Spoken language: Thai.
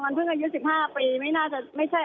มันเพิ่งอายุ๑๕ปี